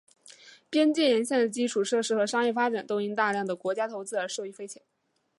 边界沿线的基础设施和商业发展都因大量的国家投资而受益匪浅。